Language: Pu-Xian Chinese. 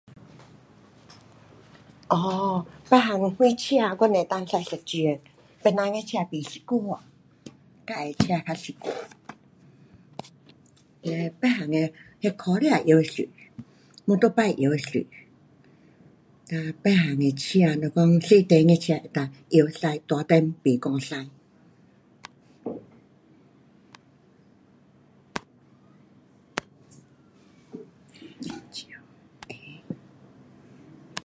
[um]别种啥车，我只能够驾一种，别人的车不习惯。自的车较习惯。[um]别样的那，那脚车会晓坐。motorbike会晓坐。哒，别样的车如讲小驾的车能够，会晓驾。大辆不敢驾。